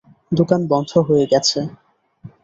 দোকান বন্ধ হয়ে গেছে।